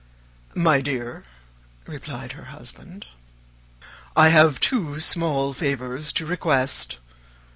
"My dear," replied her husband, "I have two small favours to request.